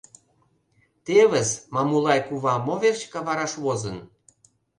Тевыс, Мамулай кува мо верч кавараш возын!